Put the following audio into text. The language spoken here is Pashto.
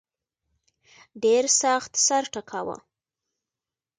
ډېر سخت سر ټکاوه.